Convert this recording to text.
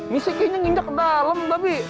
misiknya nginjak ke dalam tapi